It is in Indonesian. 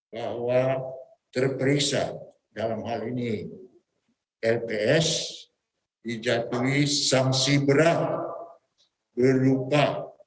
bahwa terperiksa dalam hal ini lts dijatuhi sanksi berat berupa